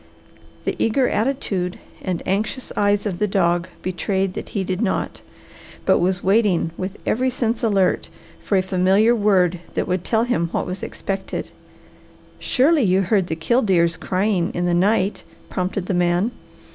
The eager attitude and anxious eyes of the dog betrayed that he did not, but was waiting with every sense alert for a familiar word that would tell him what was expected. "Surely you heard the killdeers crying in the night," prompted the man.